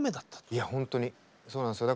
いやほんとにそうなんですよ。